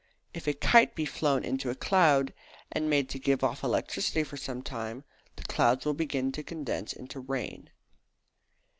If a kite be flown into a cloud, and made to give off electricity for some time, that cloud will begin to condense into rain.